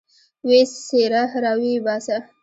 ويې څيره راويې باسه.